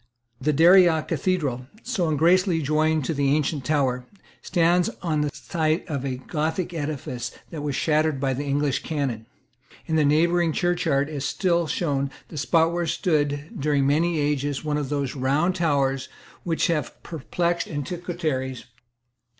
The Daria Cathedral, so ungracefully joined to the ancient tower, stands on the site of a Gothic edifice which was shattered by the English cannon. In the neighbouring churchyard is still shown the spot where stood, during many ages, one of those round towers which have perplexed antiquaries.